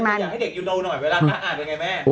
มันอยากให้เด็กอยู่โลกหน่อยเวลาอ่านยังไงแม่